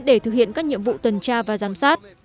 để thực hiện các nhiệm vụ tuần tra và giám sát